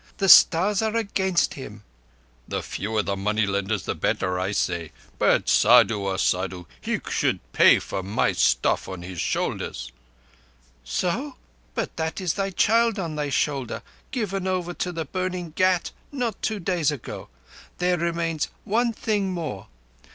The Stars are against him." "The fewer money lenders the better, say I; but, Saddhu or no Saddhu, he should pay for my stuff on his shoulders." "So? But that is thy child on thy shoulder—given over to the burning ghat not two days ago. There remains one thing more.